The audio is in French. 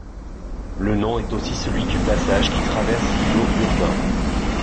Le nom est aussi celui du passage qui traverse l'îlot urbain.